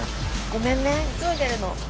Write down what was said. ごめんね急いでるの。